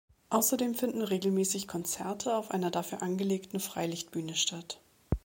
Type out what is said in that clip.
Außerdem finden regelmäßig Konzerte auf einer dafür angelegten Freilichtbühne statt.